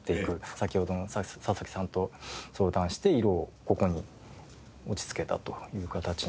先ほどの佐々木さんと相談して色をここに落ち着けたという形になります。